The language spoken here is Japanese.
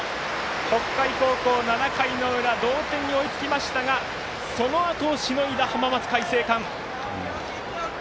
北海高校、７回の裏同点に追いつきましたがそのあとをしのいだ浜松開誠館。